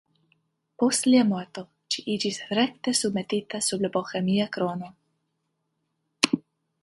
Post lia morto ĝi iĝis rekte submetita sub la Bohemia krono.